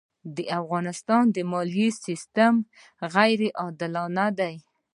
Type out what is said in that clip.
د افغانستان د مالیې سېستم غیرې عادلانه دی.